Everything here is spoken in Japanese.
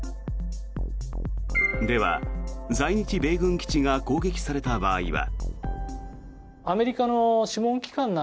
では、在日米軍基地が攻撃された場合は。